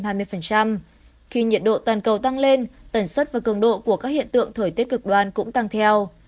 khi nhiệt độ toàn cầu tăng lên tần suất và cường độ của các hiện tượng thời tiết cực đoan cũng tăng theo